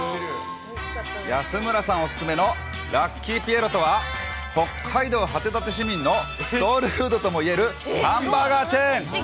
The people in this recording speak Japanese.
安村さんお勧めのラッキーピエロとは、北海道函館市民のソウルフードともいえる、ハンバーガーチェーン。